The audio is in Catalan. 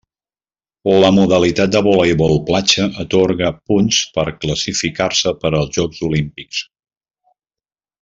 La modalitat de voleibol platja atorgà punts per classificar-se per als Jocs Olímpics.